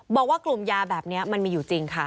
บอกว่ากลุ่มยาแบบนี้มันมีอยู่จริงค่ะ